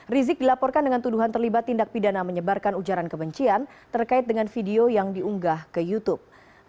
rizik dilaporkan dengan tuduhan terlibat tindak pidana menyebarkan ujaran kebencian terkait dengan video yang diunggah ke youtube